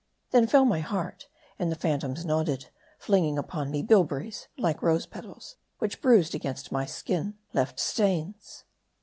Then fell my heart, and the phantoms nodded ; flinging upon me bilberries, like rose pearls, which bruised against my skin, left stains.